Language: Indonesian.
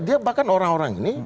dia bahkan orang orang ini